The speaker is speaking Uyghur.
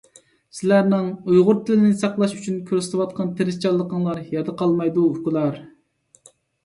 سىلەرنىڭ ، ئۇيغۇر تىلىنى ساقلاش ئۇچۈن كۆرسىتۋاتقان تىرىشچانلىقىڭلار يەردە قالمايدۇ، ئۇكىلار…